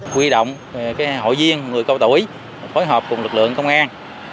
quy động hội viên người cao tuổi phối hợp cùng lực lượng công an